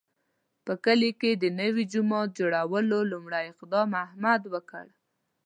په کلي کې د نوي جومات جوړولو لومړی اقدام احمد وکړ.